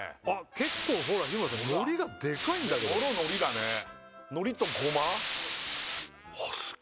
結構ほら日村さんのりがでかいんだけどのりとゴマあっ